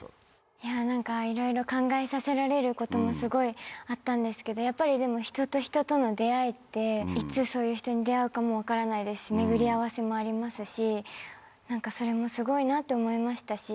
いや何かいろいろ考えさせられることもすごいあったんですけどやっぱりでも人と人との出会いっていつそういう人に出会うかも分からないですし巡り合わせもありますし何かそれもすごいなって思いましたし。